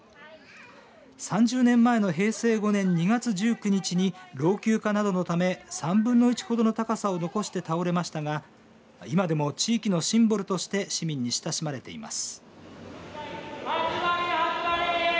３０年前の平成５年２月１９日に老朽化などのため３分の１ほどの高さを残して倒れましたが今でも地域のシンボルとして市民に親しまれています。